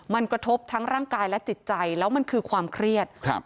มันกระทบทั้งร่างกายและจิตใจแล้วมันคือความเครียดครับ